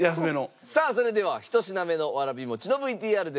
さあそれでは１品目のわらび餅のＶＴＲです。